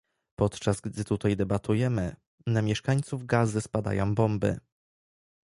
Podczas gdy tutaj debatujemy, na mieszkańców Gazy spadają bomby